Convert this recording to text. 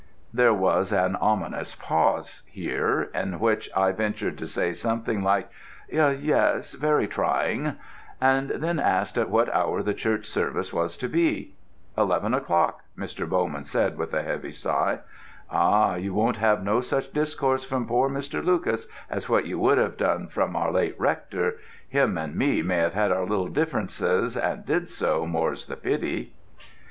There was an ominous pause here, in which I ventured to say something like, "Yes, very trying," and then asked at what hour the church service was to be. "Eleven o'clock," Mr. Bowman said with a heavy sigh. "Ah, you won't have no such discourse from poor Mr. Lucas as what you would have done from our late Rector. Him and me may have had our little differences, and did do, more's the pity."